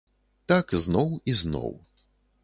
Так зноў і зноў.